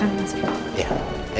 hati hati di jalan ya